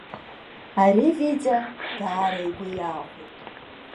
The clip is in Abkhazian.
Ари Витиа даара игәы иаахәеит.